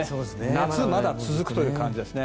夏がまだ続くという感じです。